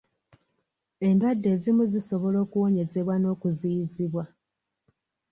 Endwadde ezimu zisobola okuwonyezebwa n'okuziyizibwa.